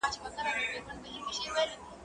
زه هره ورځ موسيقي اورم!؟